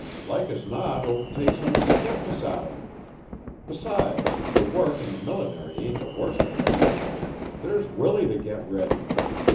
Like as not 'twill take some of the stiffness out of me. Besides, the work an' the millinery ain't the worst ahead of us. There's Willie to get ready.